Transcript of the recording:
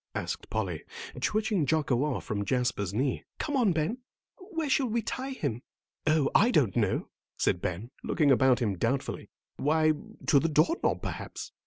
asked Polly, twitching Jocko off from Jasper's knee. "Come on, Ben, where shall we tie him?" "Oh, I don't know," said Ben, looking about him doubtfully. "Why, to the door knob, perhaps."